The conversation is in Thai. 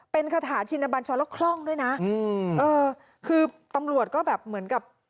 เป็นกระถาชินบัญชาวรับคล่องด้วยนะคือตำรวจก็แบบเหมือนกับ